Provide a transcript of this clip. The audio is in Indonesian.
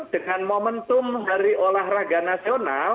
dengan momentum hari olahraga nasional